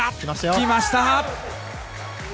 きました。